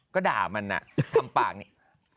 ก็ด่ามันทำปากนี้